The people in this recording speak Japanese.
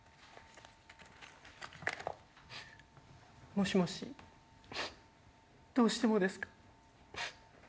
もしもしどうしてもですか？